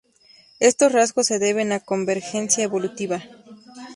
Estos rasgos se deben a convergencia evolutiva.